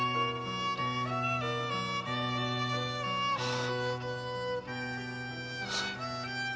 ああ。